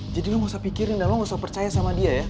jadi lo gak usah pikirin dan lo gak usah percaya sama dia ya